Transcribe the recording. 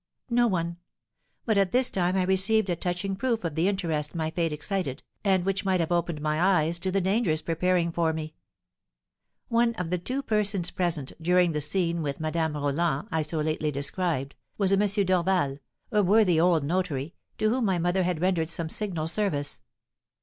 "No one; but at this time I received a touching proof of the interest my fate excited, and which might have opened my eyes to the dangers preparing for me. One of the two persons present, during the scene with Madame Roland I so lately described, was a M. Dorval, a worthy old notary, to whom my mother had rendered some signal service.